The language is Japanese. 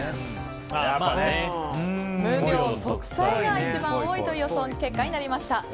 無病息災が一番多いという予想結果になりました。